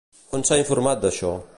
On s'ha informat d'això?